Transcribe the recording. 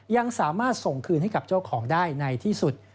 ยังสามารถส่งคืนให้กับเจ้าของได้ในที่สุด